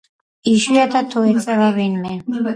იშვიათად თუ ეწვევა ვინმე.